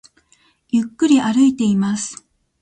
ゆっくり歩いています